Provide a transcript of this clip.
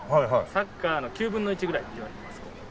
サッカーの９分の１ぐらいって言われてます。